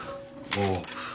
ああ。